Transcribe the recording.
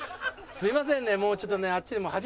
すいませんね。